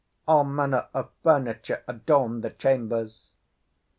All manner of furniture adorned the chambers.